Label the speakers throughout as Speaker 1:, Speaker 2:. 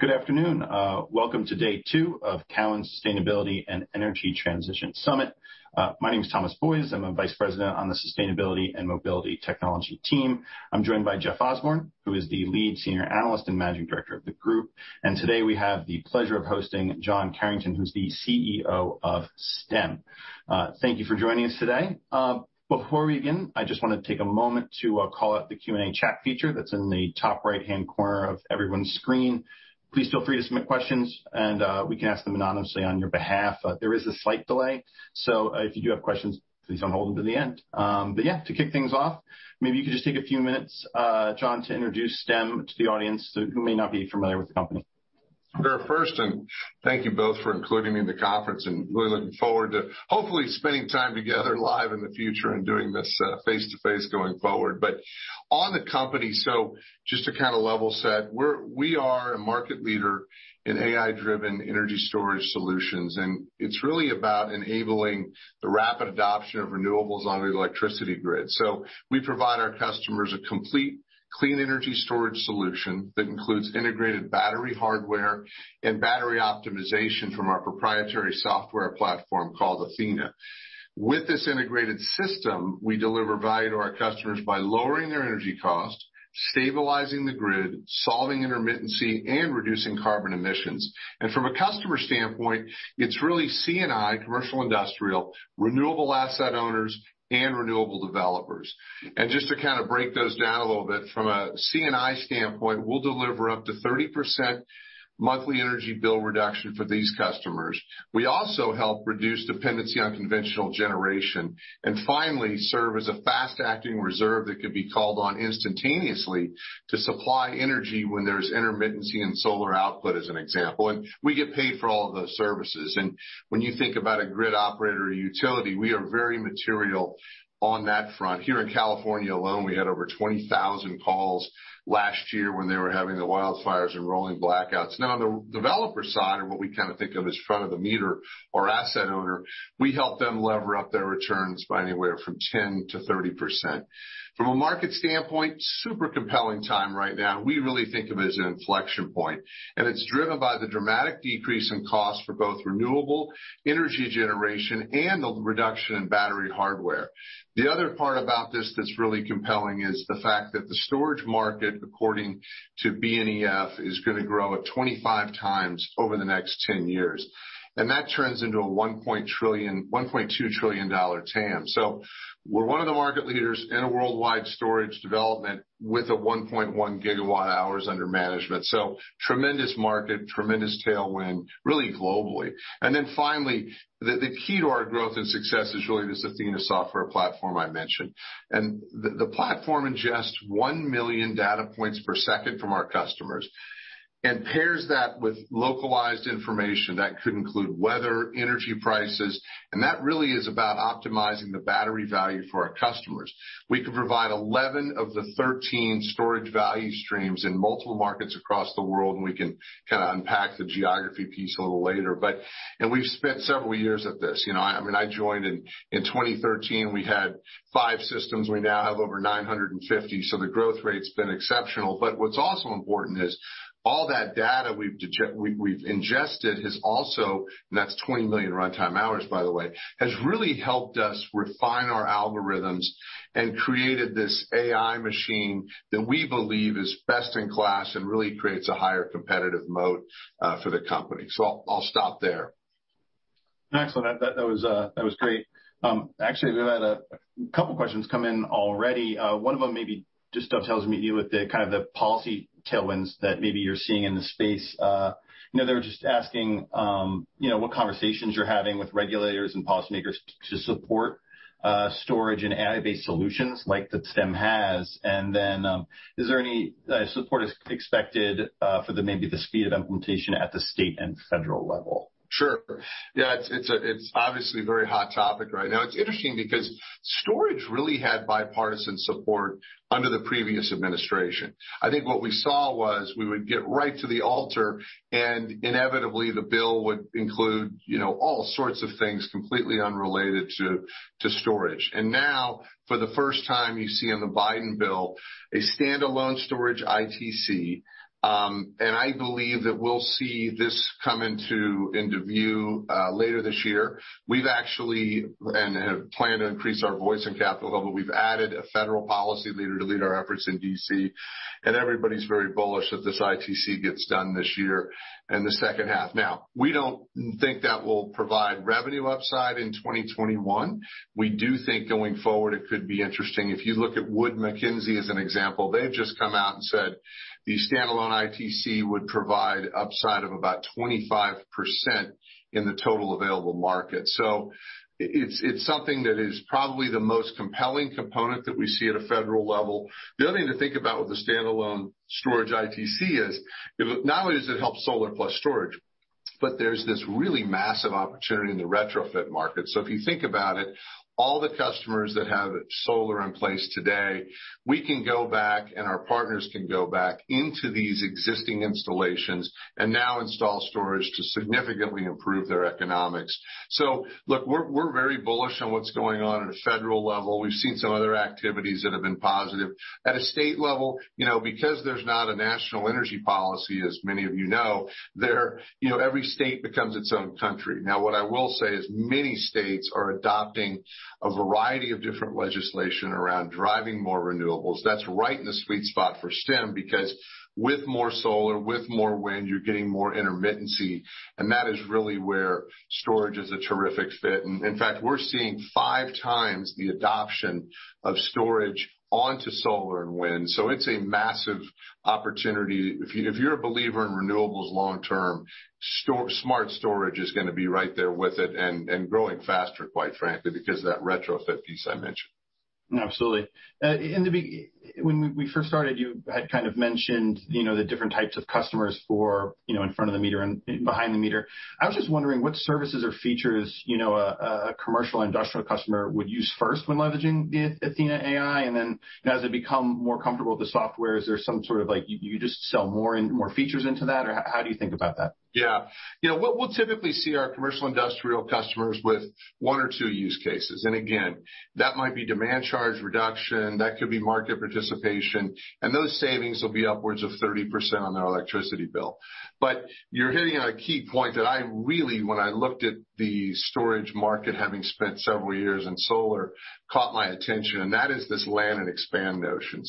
Speaker 1: Good afternoon. Welcome to day two of Cowen Sustainability and Energy Transition Summit. My name is Thomas Boyes. I'm a Vice President on the Sustainability and Mobility Technology team. I'm joined by Jeff Osborne, who is the Lead Senior Analyst and Managing Director of the group. Today we have the pleasure of hosting John Carrington, who's the CEO of Stem. Thank you for joining us today. Before we begin, I just want to take a moment to call out the Q&A chat feature that's in the top right-hand corner of everyone's screen. Please feel free to submit questions, and we can ask them anonymously on your behalf. There is a slight delay, so if you do have questions, please don't hold them to the end. Yeah, to kick things off, maybe you could just take a few minutes, John, to introduce Stem to the audience who may not be familiar with the company.
Speaker 2: Sure. First, thank you both for including me in the conference. We're looking forward to hopefully spending time together live in the future and doing this face-to-face going forward. On the company, just to kind of level set, we are a market leader in AI-driven energy storage solutions. It's really about enabling the rapid adoption of renewables on the electricity grid. We provide our customers a complete clean energy storage solution that includes integrated battery hardware and battery optimization from our proprietary software platform called Athena. With this integrated system, we deliver value to our customers by lowering their energy costs, stabilizing the grid, solving intermittency, and reducing carbon emissions. From a customer standpoint, it's really C&I, commercial industrial, renewable asset owners, and renewable developers. Just to kind of break those down a little bit, from a C&I standpoint, we'll deliver up to 30% monthly energy bill reduction for these customers. We also help reduce dependency on conventional generation, and finally, serve as a fast-acting reserve that can be called on instantaneously to supply energy when there's intermittency in solar output, as an example. We get paid for all of those services. When you think about a grid operator or utility, we are very material on that front. Here in California alone, we had over 20,000 calls last year when they were having the wildfires and rolling blackouts. The developer side, or what we kind of think of as front of the meter or asset owner, we help them lever up their returns by anywhere from 10%-30%. From a market standpoint, super compelling time right now. We really think of it as an inflection point, and it's driven by the dramatic decrease in cost for both renewable energy generation and the reduction in battery hardware. The other part about this that's really compelling is the fact that the storage market, according to BNEF, is going to grow at 25x over the next 10 years, and that turns into a $1.2 trillion TAM. We're one of the market leaders in worldwide storage development with a 1.1 GWh under management. Tremendous market, tremendous tailwind, really globally. Finally, the key to our growth and success is really this Athena software platform I mentioned. The platform ingests 1 million data points per second from our customers and pairs that with localized information that could include weather, energy prices, and that really is about optimizing the battery value for our customers. We can provide 11 of the 13 storage value streams in multiple markets across the world, and we can kind of unpack the geography piece a little later. We've spent several years at this. I joined in 2013. We had five systems. We now have over 950, so the growth rate's been exceptional. What's also important is all that data we've ingested has also, and that's 20 million runtime hours, by the way, has really helped us refine our algorithms and created this AI machine that we believe is best in class and really creates a higher competitive moat for the company. I'll stop there.
Speaker 1: Excellent. That was great. Actually, we've had a couple questions come in already. One of them maybe just dovetails with you with the kind of policy tailwinds that maybe you're seeing in the space. They're just asking what conversations you're having with regulators and policymakers to support storage and AI-based solutions like that Stem has. Is there any support expected for maybe the speed of implementation at the state and federal level?
Speaker 2: Sure. Yeah, it's obviously a very hot topic right now. It's interesting because storage really had bipartisan support under the previous administration. I think what we saw was we would get right to the altar, inevitably the bill would include all sorts of things completely unrelated to storage. Now, for the first time, you see in the Biden bill a standalone storage ITC. I believe that we'll see this come into view later this year. We've actually planned to increase our voice in Capitol level. We've added a federal policy leader to lead our efforts in D.C. Everybody's very bullish that this ITC gets done this year in the second half. Now, we don't think that will provide revenue upside in 2021. We do think going forward, it could be interesting. Wood Mackenzie as an example, they've just come out and said the standalone ITC would provide upside of about 25% in the total available market. It's something that is probably the most compelling component that we see at a federal level. The other thing to think about with the standalone storage ITC is not only does it help solar plus storage. There's this really massive opportunity in the retrofit market. If you think about it, all the customers that have solar in place today, we can go back and our partners can go back into these existing installations and now install storage to significantly improve their economics. Look, we're very bullish on what's going on at a federal level. We've seen some other activities that have been positive. At a state level, because there's not a national energy policy, as many of you know, every state becomes its own country. What I will say is many states are adopting a variety of different legislation around driving more renewables. That's right in the sweet spot for Stem, because with more solar, with more wind, you're getting more intermittency, and that is really where storage is a terrific fit. And in fact, we're seeing 5x the adoption of storage onto solar and wind. So it's a massive opportunity. If you're a believer in renewables long term, smart storage is going to be right there with it and growing faster, quite frankly, because of that retrofit piece I mentioned.
Speaker 1: Absolutely. In the beginning, when we first started, you had kind of mentioned the different types of customers for in front of the meter and behind the meter. I was just wondering what services or features a commercial industrial customer would use first when leveraging the Athena AI, and then as they become more comfortable with the software, is there some sort of like you just sell more and more features into that, or how do you think about that?
Speaker 2: What we'll typically see are C&I customers with one or two use cases. Again, that might be demand charge reduction, that could be market participation, and those savings will be upwards of 30% on their electricity bill. You're hitting on a key point that I really, when I looked at the storage market, having spent several years in solar, caught my attention, and that is this land and expand notion.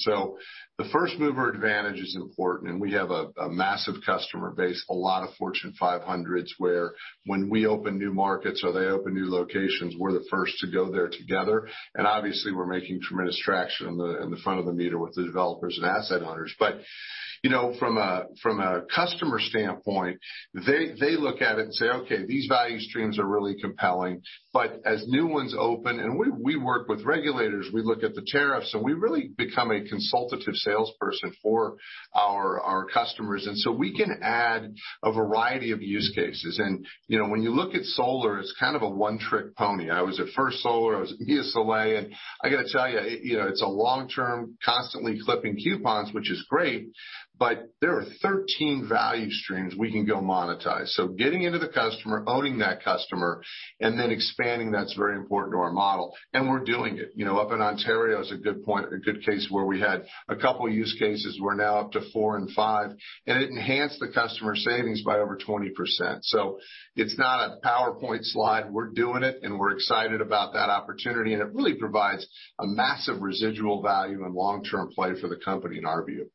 Speaker 2: The first-mover advantage is important, and we have a massive customer base, a lot of Fortune 500s, where when we open new markets or they open new locations, we're the first to go there together. Obviously, we're making tremendous traction in the front of the meter with the developers and asset owners. From a customer standpoint, they look at it and say, "Okay, these value streams are really compelling." As new ones open, and we work with regulators, we look at the tariffs, and we really become a consultative salesperson for our customers. We can add a variety of use cases. When you look at solar, it's kind of a one-trick pony. I was at First Solar, I was at MiaSolé, and I got to tell you, it's a long-term constantly clipping coupons, which is great, but there are 13 value streams we can go monetize. Getting into the customer, owning that customer, and then expanding, that's very important to our model, and we're doing it. Up in Ontario is a good point, a good case where we had a couple use cases. We're now up to four and five, and it enhanced the customer savings by over 20%. It's not a PowerPoint slide. We're doing it, and we're excited about that opportunity, and it really provides a massive residual value and long-term play for the company, in our view.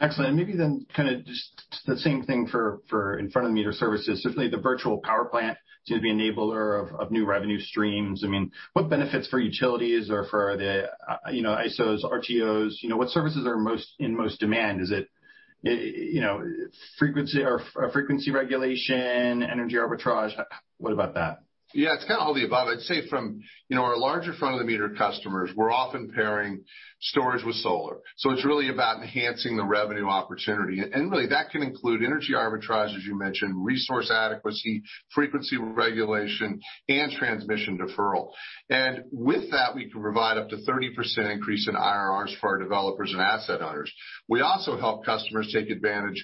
Speaker 1: Excellent. Maybe kind of just the same thing for in front of meter services, simply the virtual power plant to be an enabler of new revenue streams. What benefits for utilities or for the ISOs, RTOs? What services are in most demand? Is it frequency regulation, energy arbitrage? What about that?
Speaker 2: Yeah, it's kind of all the above. I'd say from our larger front-of-the-meter customers, we're often pairing storage with solar. It's really about enhancing the revenue opportunity. Really, that can include energy arbitrage, as you mentioned, resource adequacy, frequency regulation, and transmission deferral. With that, we can provide up to 30% increase in IRRs for our developers and asset owners. We also help customers take advantage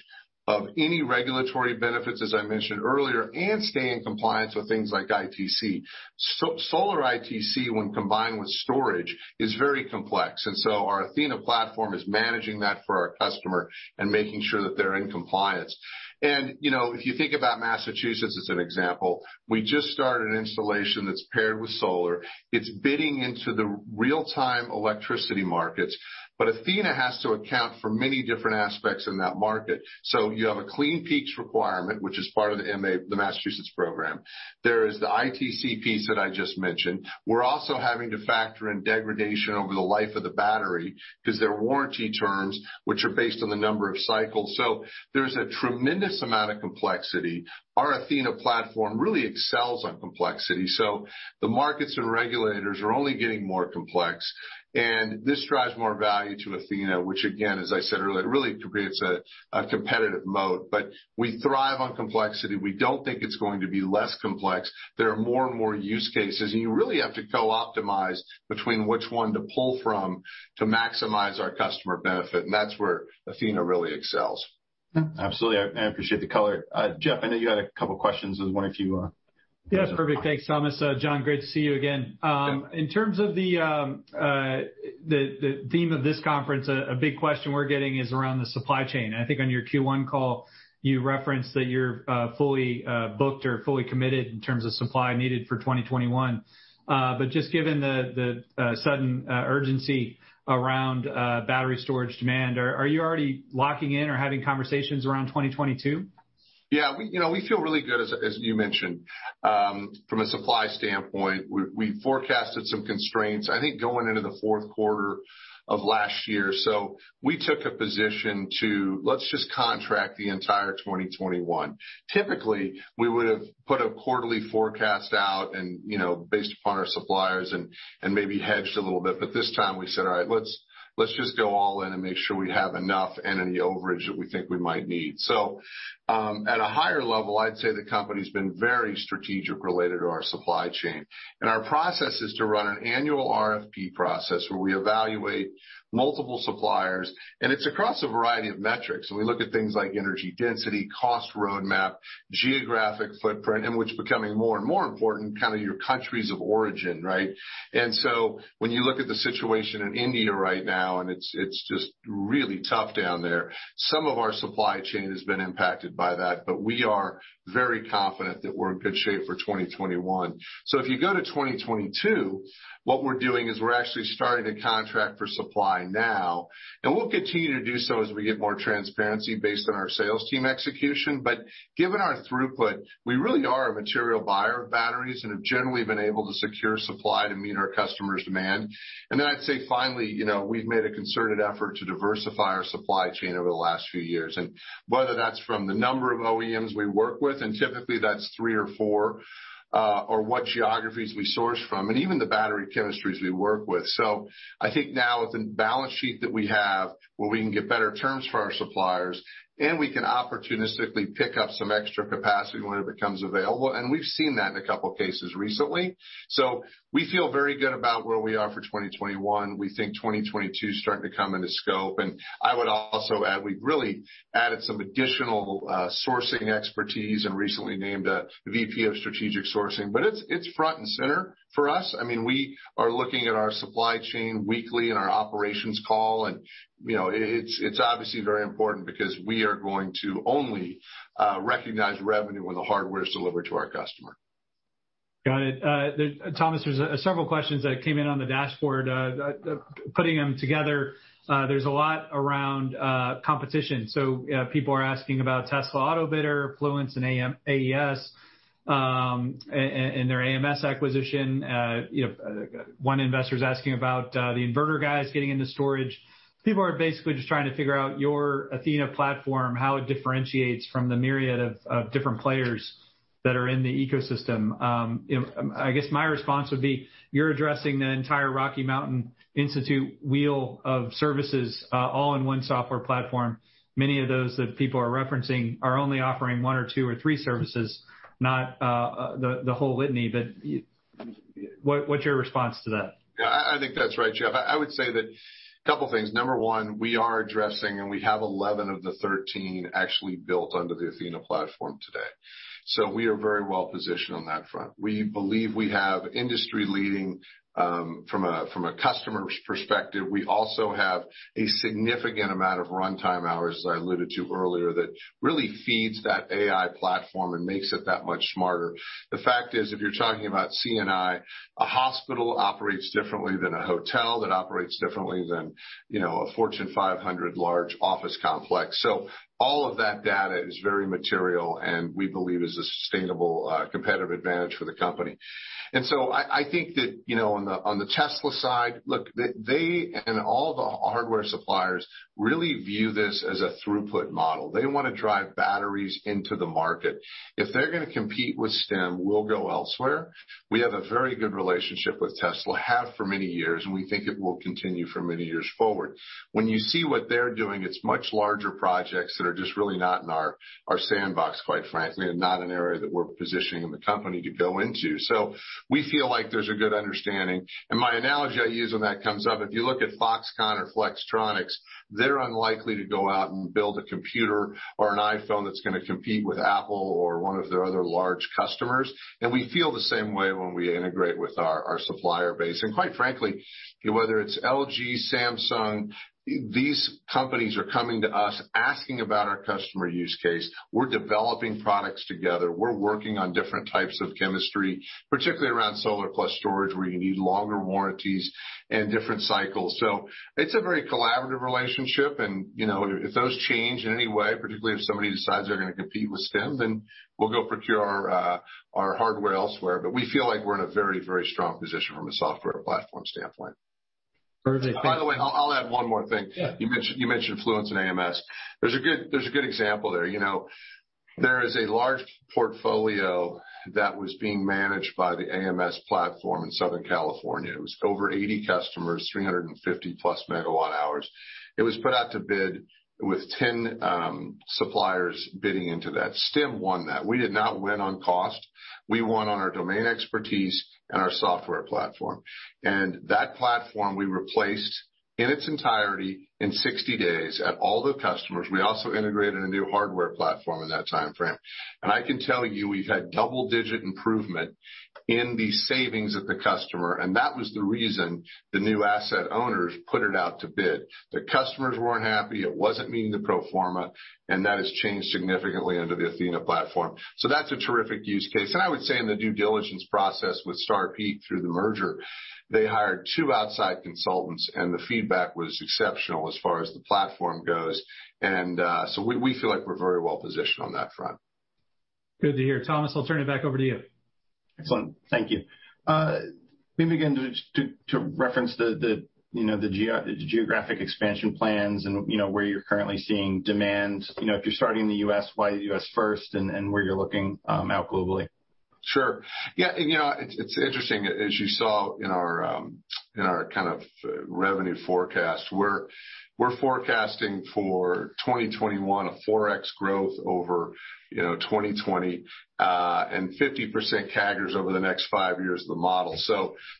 Speaker 2: of any regulatory benefits, as I mentioned earlier, and stay in compliance with things like ITC. Solar ITC, when combined with storage, is very complex, our Athena platform is managing that for our customer and making sure that they're in compliance. If you think about Massachusetts as an example, we just started an installation that's paired with solar. It's bidding into the real-time electricity markets, Athena has to account for many different aspects in that market. You have a Clean Peak requirement, which is part of the Massachusetts program. There is the ITC piece that I just mentioned. We're also having to factor in degradation over the life of the battery because there are warranty terms which are based on the number of cycles. There's a tremendous amount of complexity. Our Athena platform really excels on complexity. The markets and regulators are only getting more complex, and this drives more value to Athena, which again, as I said earlier, really creates a competitive moat. We thrive on complexity. We don't think it's going to be less complex. There are more and more use cases, and you really have to co-optimize between which one to pull from to maximize our customer benefit, and that's where Athena really excels.
Speaker 1: Absolutely. I appreciate the color. Jeff, I know you got a couple questions as well.
Speaker 3: Yeah, perfect. Thanks, Thomas. John, great to see you again. In terms of the theme of this conference, a big question we're getting is around the supply chain. I think on your Q1 call, you referenced that you're fully booked or fully committed in terms of supply needed for 2021. Just given the sudden urgency around battery storage demand, are you already locking in or having conversations around 2022?
Speaker 2: Yeah. We feel really good, as you mentioned, from a supply standpoint. We forecasted some constraints, I think, going into the fourth quarter of last year. We took a position to let's just contract the entire 2021. Typically, we would have put a quarterly forecast out and based upon our suppliers and maybe hedged a little bit. This time we said, "All right. Let's just go all in and make sure we have enough and any overage that we think we might need." At a higher level, I'd say the company's been very strategic related to our supply chain. Our process is to run an annual RFP process where we evaluate multiple suppliers, and it's across a variety of metrics. We look at things like energy density, cost roadmap, geographic footprint, and what's becoming more and more important, your countries of origin, right? When you look at the situation in India right now, and it's just really tough down there. Some of our supply chain has been impacted by that, but we are very confident that we're in good shape for 2021. If you go to 2022, what we're doing is we're actually starting to contract for supply now, and we'll continue to do so as we get more transparency based on our sales team execution. Given our throughput, we really are a material buyer of batteries and have generally been able to secure supply to meet our customers' demand. Then I'd say finally, we've made a concerted effort to diversify our supply chain over the last few years, and whether that's from the number of OEMs we work with, and typically that's three or four, or what geographies we source from, and even the battery chemistries we work with. I think now with the balance sheet that we have, where we can get better terms for our suppliers, and we can opportunistically pick up some extra capacity when it becomes available, and we've seen that in a couple of cases recently. We feel very good about where we are for 2021. We think 2022 is starting to come into scope. I would also add, we've really added some additional sourcing expertise and recently named a VP of strategic sourcing. It's front and center for us. We are looking at our supply chain weekly in our operations call, and it's obviously very important because we are going to only recognize revenue when the hardware is delivered to our customer.
Speaker 3: Got it. Thomas, there's several questions that came in on the dashboard. Putting them together, there's a lot around competition. People are asking about Tesla, Autobidder, Fluence, and AES and their AMS acquisition. One investor's asking about the inverter guys getting into storage. People are basically just trying to figure out your Athena platform, how it differentiates from the myriad of different players that are in the ecosystem. I guess my response would be you're addressing the entire Rocky Mountain Institute wheel of services all in one software platform. Many of those that people are referencing are only offering one or two or three services, not the whole litany. What's your response to that?
Speaker 2: I think that's right, Jeff. I would say that a couple things. Number one, we are addressing, and we have 11 of the 13 actually built under the Athena platform today. We are very well-positioned on that front. We believe we have industry-leading from a customer's perspective. We also have a significant amount of runtime hours, as I alluded to earlier, that really feeds that AI platform and makes it that much smarter. The fact is, if you're talking about C&I, a hospital operates differently than a hotel, that operates differently than a Fortune 500 large office complex. All of that data is very material, and we believe is a sustainable competitive advantage for the company. I think that on the Tesla side, look, they and all the hardware suppliers really view this as a throughput model. They want to drive batteries into the market. If they're going to compete with Stem, we'll go elsewhere. We have a very good relationship with Tesla, have for many years, and we think it will continue for many years forward. When you see what they're doing, it's much larger projects that are just really not in our sandbox, quite frankly, and not an area that we're positioning the company to go into. We feel like there's a good understanding. My analogy I use when that comes up, if you look at Foxconn or Flextronics, they're unlikely to go out and build a computer or an iPhone that's going to compete with Apple or one of their other large customers. We feel the same way when we integrate with our supplier base. Quite frankly, whether it's LG, Samsung, these companies are coming to us asking about our customer use case. We're developing products together. We're working on different types of chemistry, particularly around solar plus storage, where you need longer warranties and different cycles. It's a very collaborative relationship. If those change in any way, particularly if somebody decides they're going to compete with Stem, then we'll go procure our hardware elsewhere. We feel like we're in a very, very strong position from a software platform standpoint.
Speaker 3: Perfect.
Speaker 2: By the way, I'll add one more thing.
Speaker 3: Yeah.
Speaker 2: You mentioned Fluence and AMS. There's a good example there. There is a large portfolio that was being managed by the AMS platform in Southern California. It was over 80 customers, 350+ MWh. It was put out to bid with 10 suppliers bidding into that. Stem won that. We did not win on cost. We won on our domain expertise and our software platform. That platform we replaced in its entirety in 60 days at all the customers. We also integrated a new hardware platform in that timeframe. I can tell you we've had double-digit improvement in the savings at the customer, and that was the reason the new asset owners put it out to bid. The customers weren't happy. It wasn't meeting the pro forma, and that has changed significantly under the Athena platform. That's a terrific use case. I would say in the due diligence process with Star Peak through the merger, they hired two outside consultants, and the feedback was exceptional as far as the platform goes. We feel like we're very well-positioned on that front.
Speaker 3: Good to hear. Thomas, I'll turn it back over to you.
Speaker 1: Excellent. Thank you. Maybe again, to reference the geographic expansion plans and where you're currently seeing demand. If you're starting in the U.S., why U.S. first and where you're looking out globally.
Speaker 2: Sure. Yeah, it's interesting. As you saw in our kind of revenue forecast, we're forecasting for 2021 a 4x growth over 2020 and 50% CAGRs over the next five years of the model.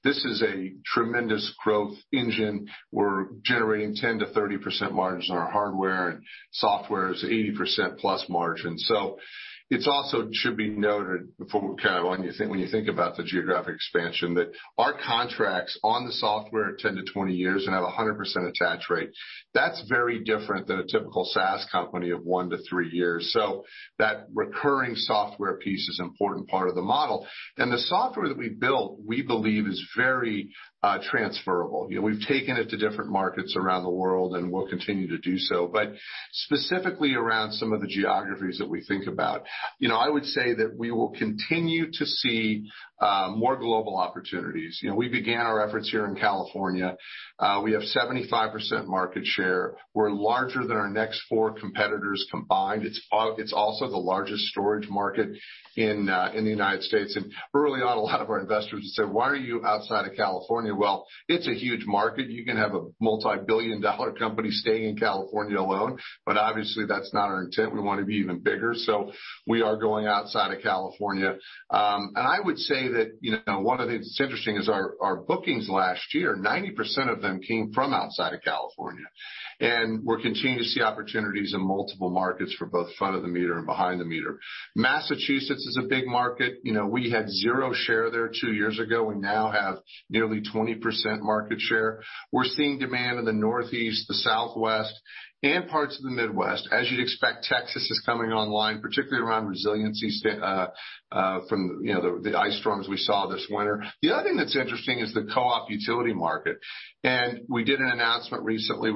Speaker 2: This is a tremendous growth engine. We're generating 10%-30% margins on our hardware, and software is 80%+ margin. It also should be noted before we carry on, when you think about the geographic expansion, that our contracts on the software are 10-20 years and have 100% attach rate. That's very different than a typical SaaS company of one to three years. The recurring software piece is an important part of the model. The software that we built, we believe, is very transferable. We've taken it to different markets around the world, and we'll continue to do so, but specifically around some of the geographies that we think about. I would say that we will continue to see more global opportunities. We began our efforts here in California. We have 75% market share. We're larger than our next four competitors combined. It's also the largest storage market in the United States. Early on, a lot of our investors said, "Why are you outside of California?" Well, it's a huge market. You can have a multi-billion-dollar company staying in California alone, but obviously, that's not our intent. We want to be even bigger. We are going outside of California. I would say that one of the things that's interesting is our bookings last year, 90% of them came from outside of California, and we're continuing to see opportunities in multiple markets for both front-of-the-meter and behind-the-meter. Massachusetts is a big market. We had zero share there two years ago. We now have nearly 20% market share. We're seeing demand in the Northeast, the Southwest, and parts of the Midwest. As you'd expect, Texas is coming online, particularly around resiliency from the ice storms we saw this winter. The other thing that's interesting is the co-op utility market. We did an announcement recently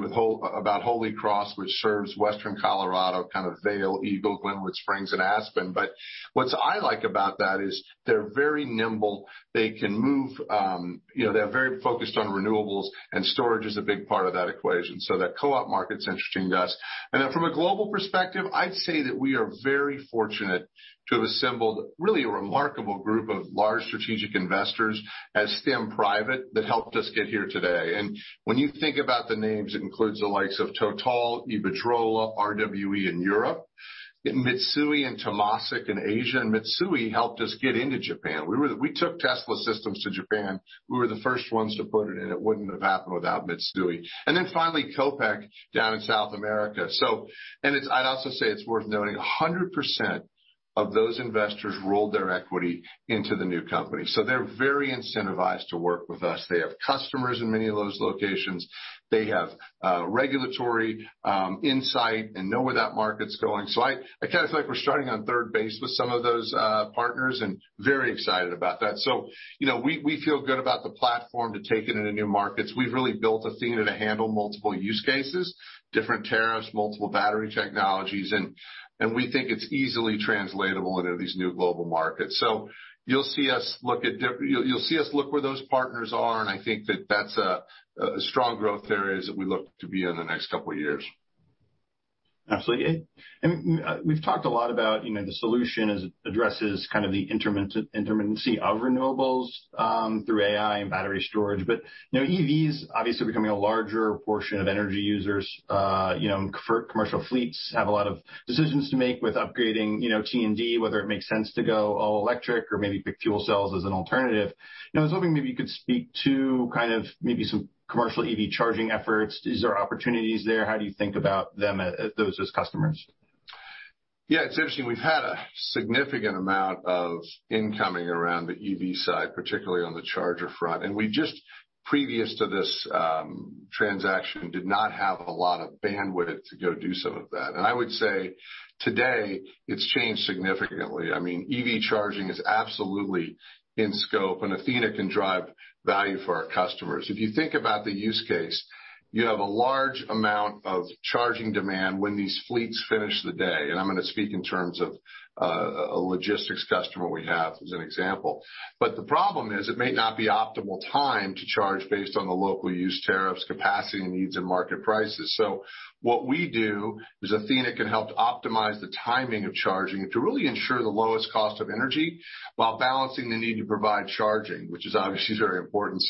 Speaker 2: about Holy Cross, which serves western Colorado, kind of Vail, Eagle, Glenwood Springs, and Aspen. What I like about that is they're very nimble. They're very focused on renewables. Storage is a big part of that equation. That co-op market's interesting to us. From a global perspective, I'd say that we are very fortunate to have assembled really a remarkable group of large strategic investors at Stem private that helped us get here today. When you think about the names, it includes the likes of Total, Iberdrola, RWE in Europe, Mitsui and Temasek in Asia. Mitsui helped us get into Japan. We took Tesla systems to Japan. We were the first ones to put it in. It wouldn't have happened without Mitsui. Then finally, COPEC down in South America. I'd also say it's worth noting 100% of those investors rolled their equity into the new company. They're very incentivized to work with us. They have customers in many of those locations. They have regulatory insight and know where that market's going. I kind of feel like we're starting on third base with some of those partners and very excited about that. We feel good about the platform to take it into new markets. We've really built Athena to handle multiple use cases, different tariffs, multiple battery technologies, and we think it's easily translatable into these new global markets. You'll see us look where those partners are, and I think that that's a strong growth area that we look to be in the next couple of years.
Speaker 1: Absolutely. We've talked a lot about the solution addresses kind of the intermittency of renewables through AI and battery storage. EVs obviously becoming a larger portion of energy users, commercial fleets have a lot of decisions to make with upgrading T&D, whether it makes sense to go all-electric or maybe pick fuel cells as an alternative. I was hoping maybe you could speak to kind of maybe some commercial EV charging efforts. Is there opportunities there? How do you think about them as those customers?
Speaker 2: Yeah, it's interesting. We've had a significant amount of incoming around the EV side, particularly on the charger front. We just previous to this transaction did not have a lot of bandwidth to go do some of that. I would say today it's changed significantly. I mean EV charging is absolutely in scope, and Athena can drive value for our customers. If you think about the use case, you have a large amount of charging demand when these fleets finish the day, and I'm going to speak in terms of a logistics customer we have as an example. The problem is it may not be optimal time to charge based on the local use tariffs, capacity needs, and market prices. What we do is Athena can help optimize the timing of charging to really ensure the lowest cost of energy while balancing the need to provide charging, which is obviously very important.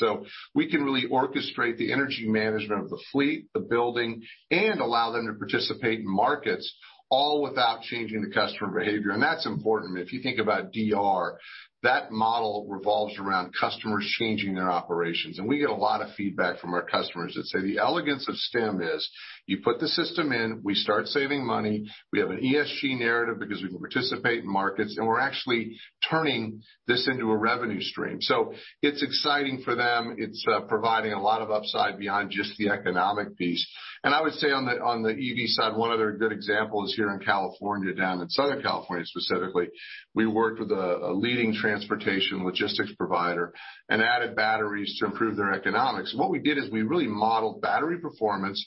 Speaker 2: We can really orchestrate the energy management of the fleet, the building, and allow them to participate in markets, all without changing the customer behavior. That's important. If you think about DR, that model revolves around customers changing their operations. We get a lot of feedback from our customers that say the elegance of Stem is you put the system in, we start saving money. We have an ESG narrative because we can participate in markets, and we're actually turning this into a revenue stream. It's exciting for them. It's providing a lot of upside beyond just the economic piece. I would say on the EV side, one other good example is here in California, down in Southern California specifically, we worked with a leading transportation logistics provider and added batteries to improve their economics. What we did is we really modeled battery performance,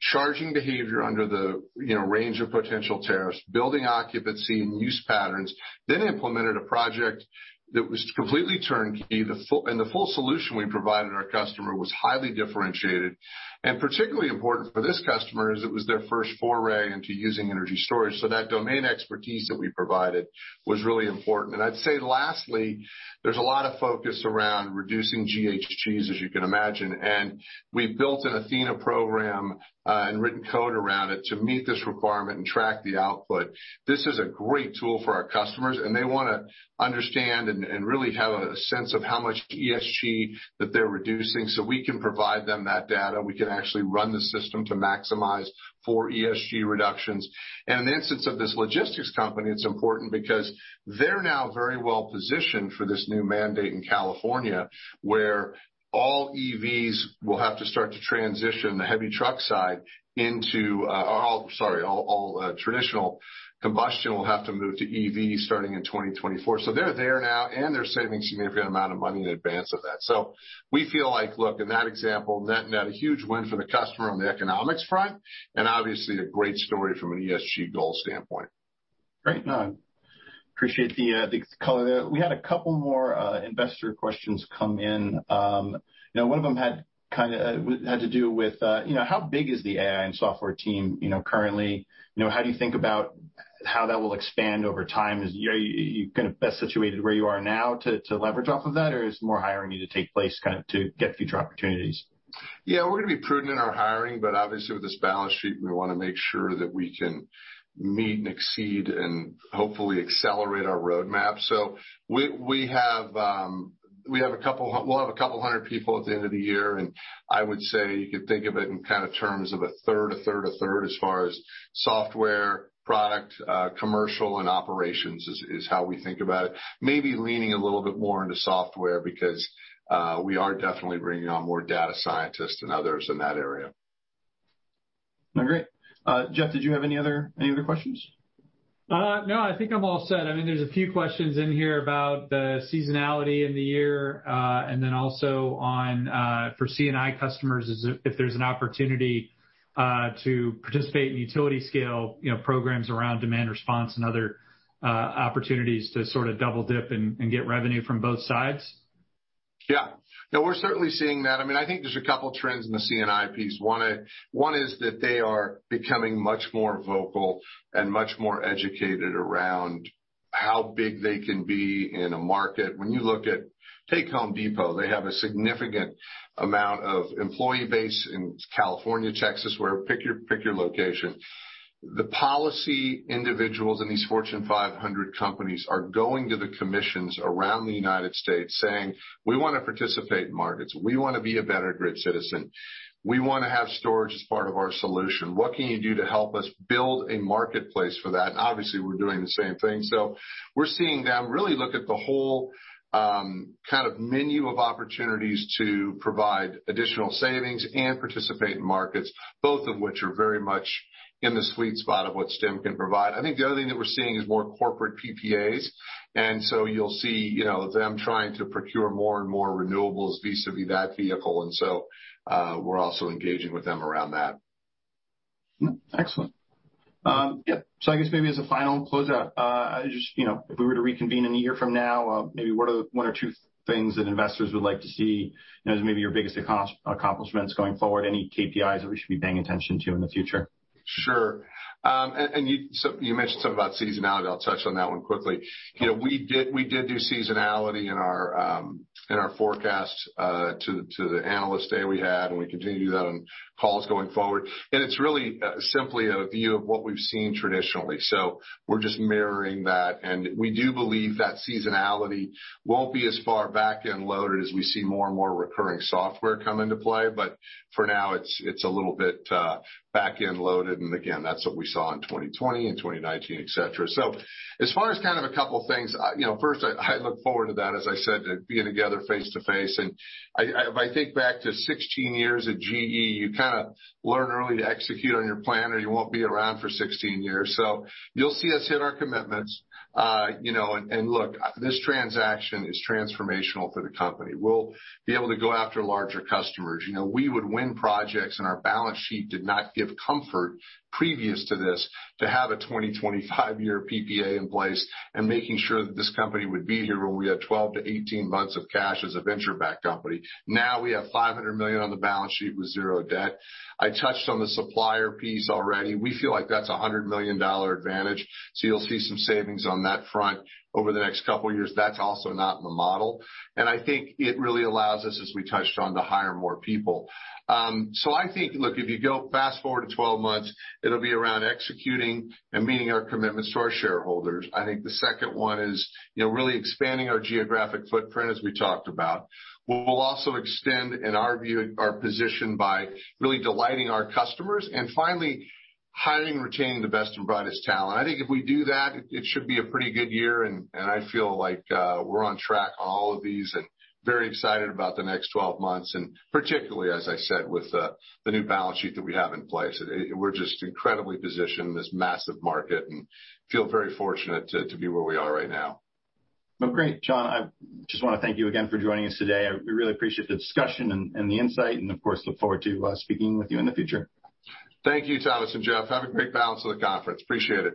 Speaker 2: charging behavior under the range of potential tariffs, building occupancy, and use patterns, then implemented a project that was completely turnkey. The full solution we provided our customer was highly differentiated and particularly important for this customer as it was their first foray into using energy storage. That domain expertise that we provided was really important. I'd say lastly, there's a lot of focus around reducing GHGs, as you can imagine, and we've built an Athena program and written code around it to meet this requirement and track the output. This is a great tool for our customers, and they want to understand and really have a sense of how much ESG that they're reducing. We can provide them that data. We can actually run the system to maximize for ESG reductions. In the instance of this logistics company, it's important because they're now very well-positioned for this new mandate in California, where all EVs will have to start to transition the heavy truck side, all traditional combustion will have to move to EV starting in 2024. They're there now, and they're saving a significant amount of money in advance of that. We feel like, look, in that example, that a huge win for the customer on the economics front and obviously a great story from an ESG goal standpoint.
Speaker 1: Great. No, appreciate the color. We had a couple more investor questions come in. One of them had to do with how big is the AI and software team currently? How do you think about how that will expand over time? Are you best situated where you are now to leverage off of that, or is more hiring need to take place to get future opportunities?
Speaker 2: Yeah. We're going to be prudent in our hiring, but obviously with this balance sheet, we want to make sure that we can meet and exceed and hopefully accelerate our roadmap. We have a couple hundred people at the end of the year, and I would say you could think of it in terms of a third, a third, a third as far as software, product, commercial, and operations is how we think about it. Maybe leaning a little bit more into software because we are definitely bringing on more data scientists and others in that area.
Speaker 1: Great. Jeff, did you have any other questions?
Speaker 3: No, I think I'm all set. There's a few questions in here about the seasonality in the year, and then also for C&I customers is if there's an opportunity to participate in utility scale programs around demand response and other opportunities to sort of double-dip and get revenue from both sides.
Speaker 2: Yeah. No, we're certainly seeing that. I think there's a couple trends in the C&I piece. One is that they are becoming much more vocal and much more educated around how big they can be in a market. When you look at, take The Home Depot, they have a significant amount of employee base in California, Texas, wherever, pick your location. The policy individuals in these Fortune 500 companies are going to the commissions around the United States saying, "We want to participate in markets. We want to be a better grid citizen. We want to have storage as part of our solution. What can you do to help us build a marketplace for that?" Obviously, we're doing the same thing. We're seeing them really look at the whole kind of menu of opportunities to provide additional savings and participate in markets, both of which are very much in the sweet spot of what Stem can provide. I think the other thing that we're seeing is more corporate PPAs. You'll see them trying to procure more and more renewables vis-à-vis that vehicle. We're also engaging with them around that.
Speaker 1: Excellent. Yeah. I guess maybe as a final closeout, if we were to reconvene a year from now, maybe one or two things that investors would like to see as maybe your biggest accomplishments going forward, any KPIs that we should be paying attention to in the future?
Speaker 2: Sure. You mentioned something about seasonality. I'll touch on that one quickly. We did do seasonality in our forecasts to the Analyst Day we had, and we continue to do that on calls going forward. It's really simply a view of what we've seen traditionally. We're just mirroring that, and we do believe that seasonality won't be as far back-end-loaded as we see more and more recurring software come into play. For now, it's a little bit back-end-loaded, and again, that's what we saw in 2020 and 2019, et cetera. As far as a couple of things, first, I look forward to that, as I said, to being together face-to-face. If I think back to 16 years at GE, you kind of learn early to execute on your plan or you won't be around for 16 years. You'll see us hit our commitments. Look, this transaction is transformational for the company. We'll be able to go after larger customers. We would win projects and our balance sheet did not give comfort previous to this to have a 20-25-year PPA in place and making sure that this company would be here when we had 12-18 months of cash as a venture-backed company. Now we have $500 million on the balance sheet with 0 debt. I touched on the supplier piece already. We feel like that's a $100 million advantage. You'll see some savings on that front over the next couple of years. That's also not in the model. I think it really allows us, as we touched on, to hire more people. I think, look, if you fast-forward to 12 months, it'll be around executing and meeting our commitments to our shareholders. I think the second one is really expanding our geographic footprint, as we talked about. We'll also extend, in our view, our position by really delighting our customers and finally hiring and retaining the best and brightest talent. I think if we do that, it should be a pretty good year, and I feel like we're on track on all of these and very excited about the next 12 months, and particularly, as I said, with the new balance sheet that we have in place. We're just incredibly positioned in this massive market and feel very fortunate to be where we are right now.
Speaker 1: Well, great, John. I just want to thank you again for joining us today. We really appreciate the discussion and the insight, and of course, look forward to speaking with you in the future.
Speaker 2: Thank you, Thomas and Jeff. Have a great balance of the conference. Appreciate it.